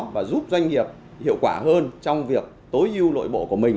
và giúp doanh nghiệp hiệu quả hơn trong việc tối ưu nội bộ của mình